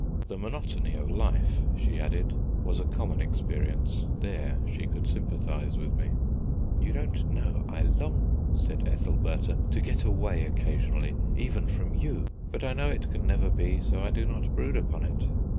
The monotony of life, she added, was a common experience; there she could sympathise with me. "You don't know I long," said Ethelbertha, "to get away occasionally, even from you; but I know it can never be, so I do not brood upon it."